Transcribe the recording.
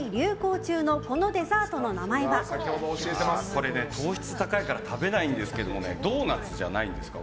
これ、糖質高いから食べないんですけどドーナツじゃないんですか。